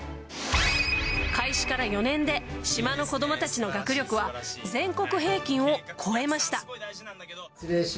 開始から４年で、島の子どもたちの学力は、全国平均を超えました。